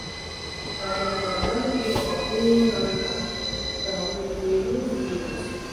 د غره په لمنو کې د پخو رنګارنګو مېوو بوی راځي.